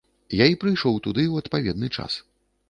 Я й прыйшоў туды ў адпаведны час.